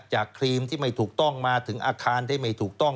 ครีมที่ไม่ถูกต้องมาถึงอาคารได้ไม่ถูกต้อง